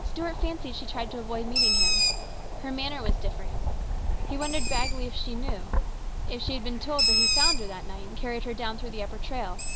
Stuart fancied she tried to avoid meeting him. Her manner was different. He wondered vaguely if she knew, if she had been told that he had found her that night and carried her down through the upper trail.